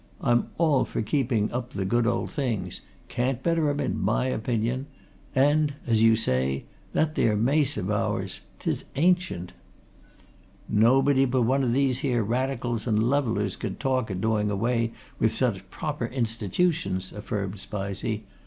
I'm all for keeping up the good old things can't better 'em, in my opinion. And, as you say, that there mace of ours 'tis ancient!" "Nobody but one o' these here Radicals and levellers could talk o' doing away with such proper institutions," affirmed Spizey.